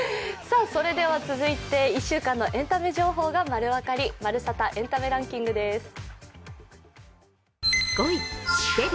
それでは続いて１週間のエンタメ情報がまるわかり「まるサタ！エンタメランキング」です。